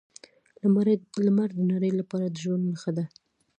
لمر د نړۍ لپاره د ژوند نښه ده.